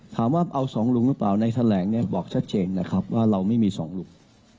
ถามว่าเอาสองลุงหรือเปล่าในแถลงเนี่ยบอกชัดเจนนะครับว่าเราไม่มีสองลุง